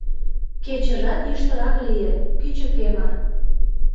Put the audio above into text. Кечыжат йӱштырак лие, кӱчыкеме.